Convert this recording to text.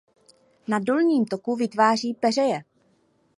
Na dolním toku vytváří peřeje.